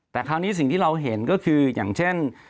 แต่คราวนี้สิ่งที่เราเห็นก็คืออย่างเช่น